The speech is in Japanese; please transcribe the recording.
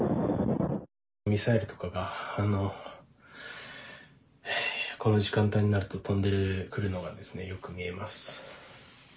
ミサイルとかがこの時間帯になると飛んでくるのがよく見えます。